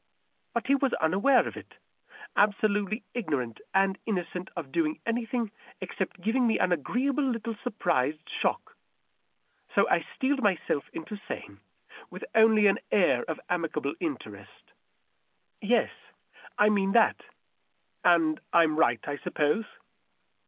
But he was unaware of it — absolutely ignorant and innocent of doing anything except giving me an agreeable little sur prised shock. So I steeled myself into saying, with only an air of amicable interest, —" Yes, I mean that. And I'm right, I suppose